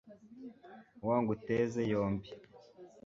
wa nguteze yombi